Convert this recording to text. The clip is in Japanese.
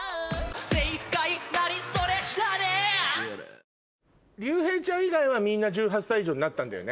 知らねぇリュウヘイちゃん以外はみんな１８歳以上になったんだよね？